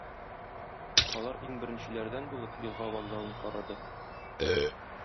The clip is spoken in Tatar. Алар иң беренчеләрдән булып елга вокзалын карады.